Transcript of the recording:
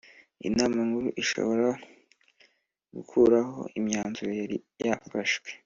Inama Nkuru ishobora gukuraho imyanzuro yari yafashwe